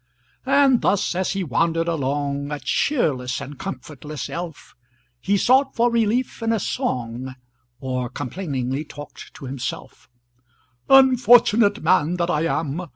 And thus as he wandered along, A cheerless and comfortless elf, He sought for relief in a song, Or complainingly talked to himself:— "Unfortunate man that I am!